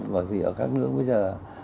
bởi vì ở các nước bây giờ